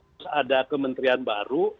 terus ada kementrian baru